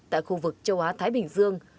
tại khu vực châu á thái bình dương